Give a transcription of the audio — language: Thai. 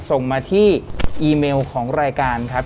ส่งมาที่อีเมลของรายการครับ